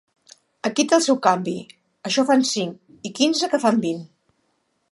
Aquí té el seu canvi: això fan cinc, i quinze que fan vint.